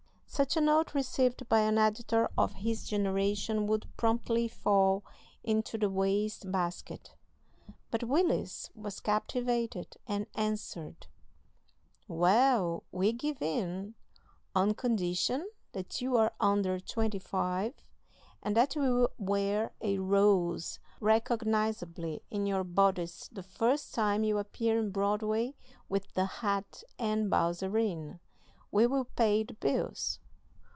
Such a note received by an editor of this generation would promptly fall into the waste basket. But Willis was captivated, and answered: "Well, we give in! On condition that you are under twenty five and that you will wear a rose (recognizably) in your bodice the first time you appear in Broadway with the hat and balzarine, we will pay the bills.